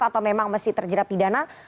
atau memang mesti terjerat pidana